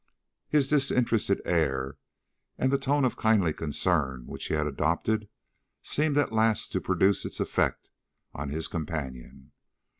His disinterested air, and the tone of kindly concern which he had adopted, seemed at last to produce its effect on his companion.